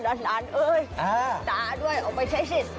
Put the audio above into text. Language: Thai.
ด้านด้านตาด้วยออกไปใช้ซิ